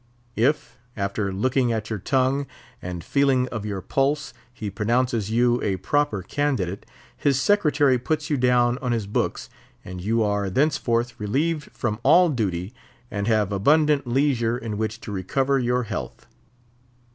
If, after looking at your tongue, and feeling of your pulse, he pronounces you a proper candidate, his secretary puts you down on his books, and you are thenceforth relieved from all duty, and have abundant leisure in which to recover your health.